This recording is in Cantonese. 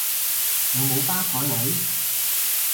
有冇吧枱位？